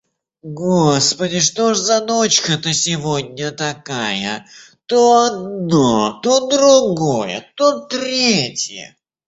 Господи, что ж за ночка-то сегодня такая. То одно, то другое, то третье!